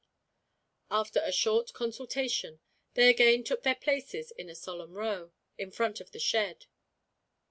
After a short consultation, they again took their places in a solemn row, in front of the shed.